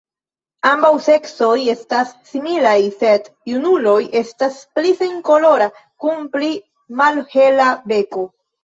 Ambaŭ seksoj estas similaj, sed junuloj estas pli senkolora kun pli malhela beko.